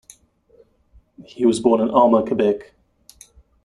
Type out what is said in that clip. He was born in Alma, Quebec.